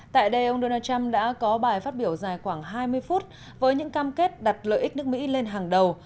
tại đây ông donald trump đã có bài phát biểu dài khoảng hai mươi phút với những cam kết đặt lợi ích nước mỹ lên hàng đầu